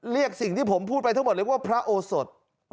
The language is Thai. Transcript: เรียกสิ่งที่ผมพูดไปทั้งหมดเรียกว่าพระโอสด